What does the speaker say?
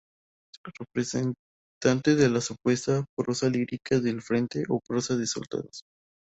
Representante de la supuesta "prosa lírica del frente" o "prosa de soldados".